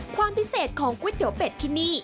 ความพิเศษของก๋วยเตี๋ยวเป็ดที่นี่